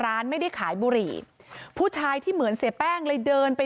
ร้านไม่ได้ขายบุหรี่ผู้ชายที่เหมือนเสียแป้งเลยเดินไป